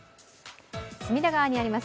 隅田川にあります